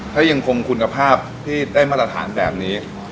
ถ้ายังคงคุณภาพที่ได้มาตรฐานแบบนี้